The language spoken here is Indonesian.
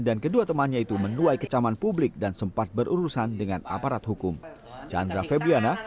dan kedua temannya itu menuai kecaman publik dan sempat berurusan dengan aparat hukum chandra febriana